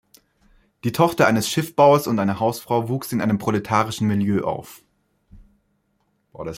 Die Tochter eines Schiffbauers und einer Hausfrau wuchs in einem proletarischen Milieu auf.